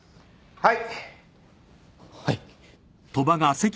はい。